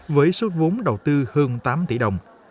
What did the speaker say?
với số vốn đầu tư hơn tám tỷ đồng